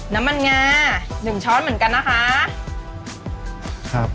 น้ำมันงา๑ช้อนเหมือนกันนะคะ